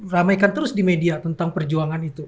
ramaikan terus di media tentang perjuangan itu